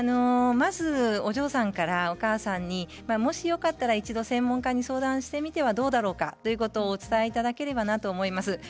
まずお嬢さんからお母さんにもしよかったら一度、専門家に相談してみてはどうだろうかとお伝えいただければなと思います。